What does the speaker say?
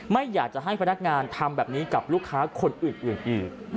ไม่อยากจะให้พนักงานทำแบบนี้กับลูกค้าคนอื่นอีก